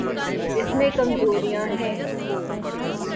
اس میں کمزوریاں ہیں۔